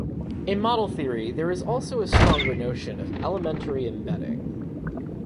In model theory there is also a stronger notion of elementary embedding.